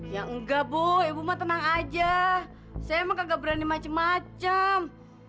ya enggak bu ibu mah tenang aja saya emang nggak berani macem macem